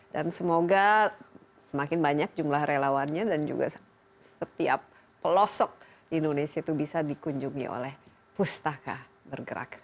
dan semoga semakin banyak jumlah relawannya dan juga setiap pelosok di indonesia itu bisa dikunjungi oleh pustaka bergerak